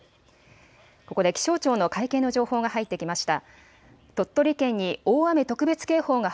ここで気象庁の会見の情報が入ってきました。